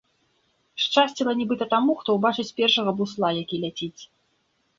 Шчасціла нібыта таму, хто ўбачыць першага бусла, які ляціць.